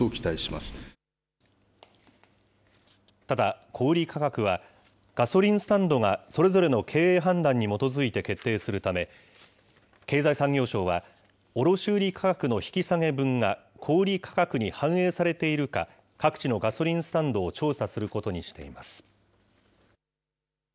ただ小売り価格は、ガソリンスタンドがそれぞれの経営判断に基づいて決定するため、経済産業省は、卸売り価格の引き下げ分が小売り価格に反映されているか、各地のガソリンスタンドを調査することにしています。